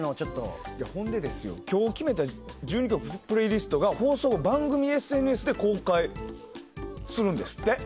ほんで、今日決めた１２曲のプレイリストが放送後、番組ＳＮＳで公開するんですって？